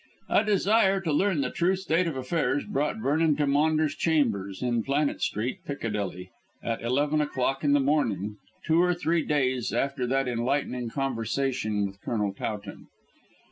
A desire to learn the true state of affairs brought Vernon to Maunders' chambers in Planet Street, Piccadilly, at eleven o'clock in the morning, two or three days after that enlightening conversation with Colonel Towton.